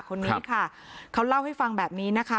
คนนี้ค่ะเขาเล่าให้ฟังแบบนี้นะคะ